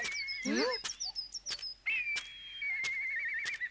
うん。